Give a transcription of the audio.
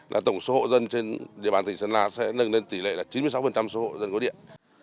là tổng số hộ dân trên địa bàn tỉnh sơn la sẽ nâng lên tỷ lệ là chín mươi sáu số điện